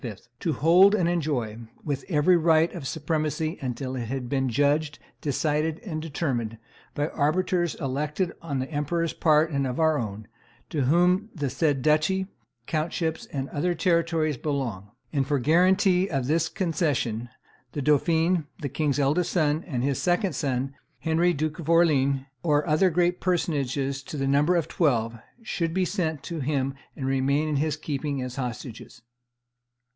"to hold and enjoy with every right of supremacy until it hath been judged, decided, and determined, by arbiters elected on the emperor's part and our own, to whom the said duchy, countships, and other territories belong. ... And for guarantee of this concession, the dauphin, the king's eldest son, and his second son, Henry, Duke of Orleans, or other great personages, to the number of twelve, should be sent to him and remain in his keeping as hostages."